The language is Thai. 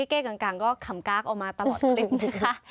เก้กลางก็ขำกากออกมาตลอดคลิปนะคะ